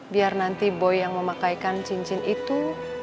biar nanti boy yang memakaikan cincin itu